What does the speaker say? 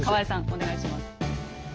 お願いします。